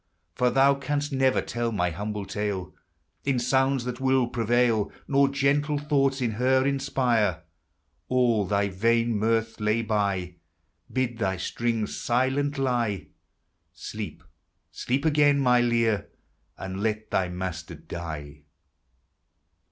For thou canst never tell my humble tale In sounds that will prevail, Nor gentle thoughts in her inspire ; All thy vain mirth lay by, Bid thy strings silent lie, Sleep, sleep again, my Lyre, and let thy master die.